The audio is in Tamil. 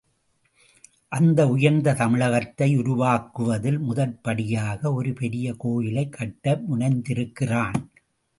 அந்த உயர்ந்த தமிழகத்தை உருவாக்குவதில் முதற்படியாக, ஒரு பெரிய கோயிலையே கட்ட முனைந்திருக்கிறான்.